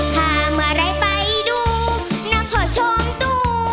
ถ้ามารัยไปดูนักผู้ชมตู้